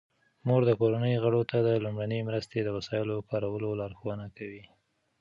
مور د کورنۍ غړو ته د لومړنۍ مرستې د وسایلو کارولو لارښوونه کوي.